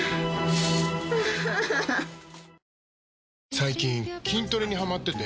最近筋トレにハマってて。